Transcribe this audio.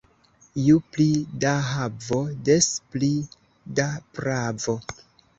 Ju pli da havo, des pli da pravo.